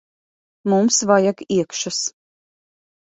Mums vajag iekšas.